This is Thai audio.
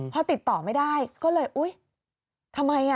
พอติดต่อไม่ได้ก็เลยอุ๊ยทำไมอ่ะ